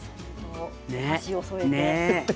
箸を添えて。